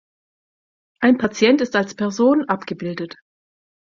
Ein Patient ist als Person abgebildet.